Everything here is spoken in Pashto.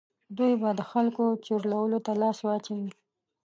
دوی به د خلکو چورولو ته لاس واچوي.